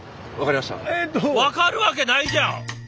分かるわけないじゃん！